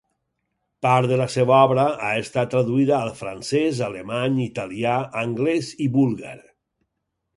Part de la seva obra ha estat traduïda al francès, alemany, italià, anglès i búlgar.